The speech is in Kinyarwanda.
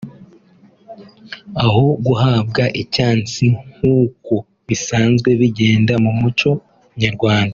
aho guhabwa ‘icyansi’ nk’uko bisanzwe bigenda mu muco Nyarwanda